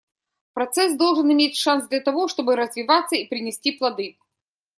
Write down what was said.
Процесс должен иметь шанс для того, чтобы развиваться и принести плоды.